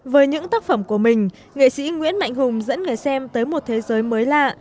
với những tác phẩm của mình nghệ sĩ nguyễn mạnh hùng dẫn người xem tới một thế giới mới lạ